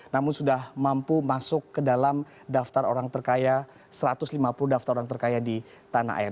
namun sudah mampu masuk ke dalam daftar orang terkaya satu ratus lima puluh daftar orang terkaya di tanah air